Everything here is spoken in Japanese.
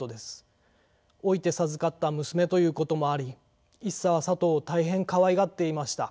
老いて授かった娘ということもあり一茶はさとを大変かわいがっていました。